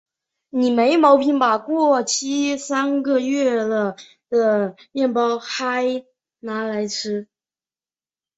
你没毛病吧？过期三个月了的蛋糕嗨拿来吃？